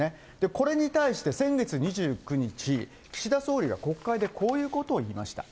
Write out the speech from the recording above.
これに対して、先月２９日、岸田総理が国会でこういうことを言いました。